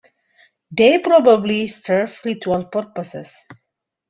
They probably served ritual purposes.